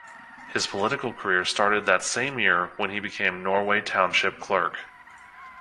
His political career started that same year when he became Norway Township clerk.